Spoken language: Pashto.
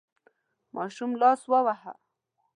ماشوم لاس وواهه.